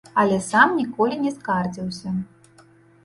Але сам ніколі не скардзіўся.